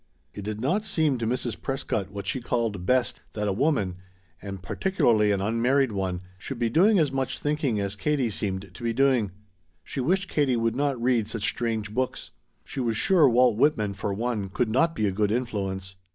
It did not seem to Mrs. Prescott what she called "best" that a woman and particularly an unmarried one should be doing as much thinking as Katie seemed to be doing. She wished Katie would not read such strange books; she was sure Walt Whitman, for one, could not be a good influence.